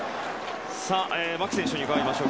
牧選手に伺いましょう。